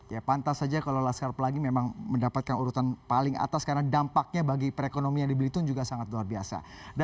ya pantas saja kalau laskar pelangi memang mendapatkan urutan paling atas karena dampaknya bagi perekonomian di belitung juga sangat luar biasa